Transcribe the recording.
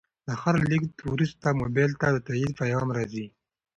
د هر لیږد وروسته موبایل ته د تایید پیغام راځي.